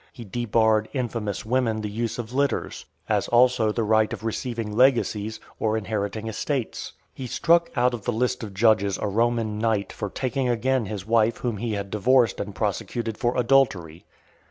He debarred infamous women the use of litters; as also the right of receiving legacies, or inheriting estates. He struck out of the list of judges a Roman knight for taking again his wife whom he had divorced and prosecuted for adultery.